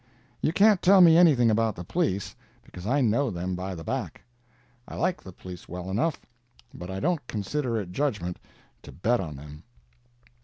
You can't tell me anything about the police, because I know them by the back. I like the police well enough, but I don't consider it judgment to bet on them.